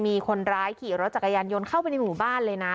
มีคนร้ายขี่รถจักรยานยนต์เข้าไปในหมู่บ้านเลยนะ